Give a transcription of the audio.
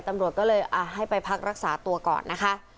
ตำรวจก็เลยให้ไปพักรักษาตัวก่อนนะคะ